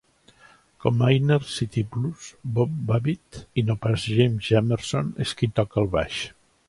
Com a "Inner City Blues", Bob Babbitt, i no pas James Jamerson, és qui toca el baix.